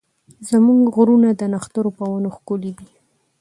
زموږ غرونه د نښترو په ونو ښکلي دي.